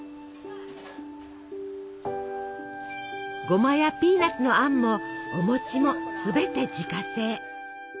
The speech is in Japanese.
ごまやピーナツのあんもお餅もすべて自家製。